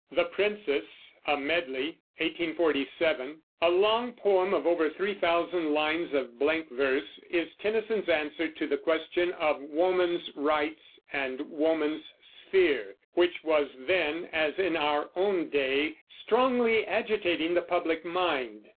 The Princess, a Medley (1847), a long poem of over three thousand lines of blank verse, is Tennyson's answer to the question of woman's rights and woman's sphere, which was then, as in our own day, strongly agitating the public mind.